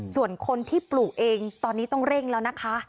ส่วนคนที่ปลูกเองตอนนี้ต้องเร่งแล้วนะคะ